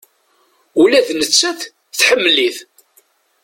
Ula d nettat, tḥemmel-it.